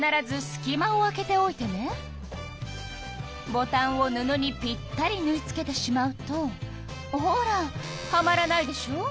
ボタンを布にぴったりぬい付けてしまうとほらはまらないでしょ。